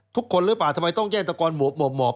ทุกคนหรือเปล่าทำไมต้องแยกตะกอนหมอบ